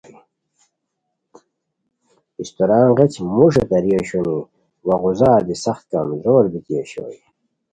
استوران غیچ موݰی غیری اوشونی وا غوزار دی سخت کمزور بیتی اوشوئے